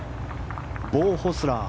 ボウ・ホスラー。